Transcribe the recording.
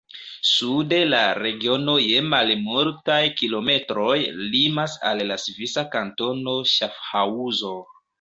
Sude la regiono je malmultaj kilometroj limas al la svisa kantono Ŝafhaŭzo.